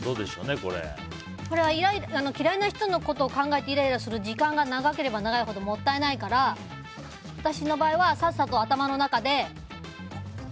これは嫌いな人のことを考えてイライラする時間が長ければ長いほどもったいないから私の場合はさっさと頭の中で。